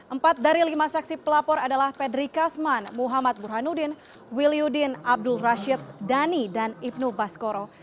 empat dari lima saksi pelapor adalah pedri kasman muhammad burhanuddin wil yudin abdul rashid dhani dan ibnu baskoro